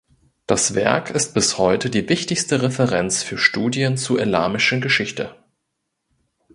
Das Werk ist bis heute die wichtigste Referenz für Studien zur elamischen Geschichte.